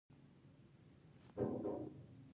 سترګې مې نيم کښې سوې.